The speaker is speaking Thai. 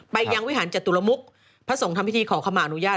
ยังวิหารจตุลมุกพระสงฆ์ทำพิธีขอขมาอนุญาต